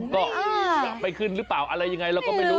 ก็จะไปขึ้นหรือเปล่าอะไรยังไงเราก็ไม่รู้